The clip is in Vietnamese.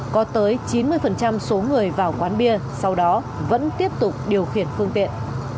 có tới chín mươi số người vào quán bia sau đó vẫn tiếp tục điều khiển phương tiện